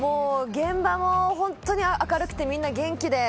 現場も本当に明るくてみんな元気で。